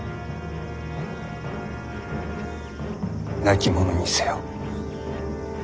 亡き者にせよ。